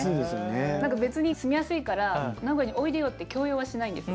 何か別に住みやすいから名古屋においでよって強要はしないんですよ。